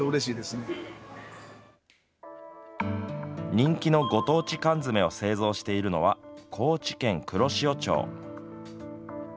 人気のご当地缶詰を製造しているのは高知県黒潮町。